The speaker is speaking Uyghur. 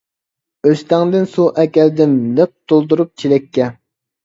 ئۆستەڭدىن سۇ ئەكەلدىم، لىق تولدۇرۇپ چېلەككە.